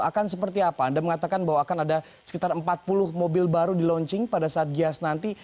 akan seperti apa anda mengatakan bahwa akan ada sekitar empat puluh mobil baru di launching pada saat gias nanti